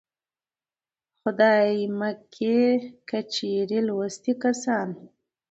خدايه مکې که چېرې لوستي کسان